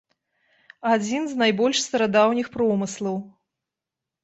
Адзін з найбольш старадаўніх промыслаў.